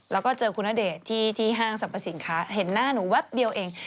แล้วก็เจอคุณณเดชน์ที่ห้างสรรพสินค้าเห็นหน้าหนูแป๊บเดียวเอง